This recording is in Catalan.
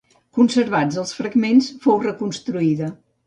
Conservats els fragments, fou reconstruïda.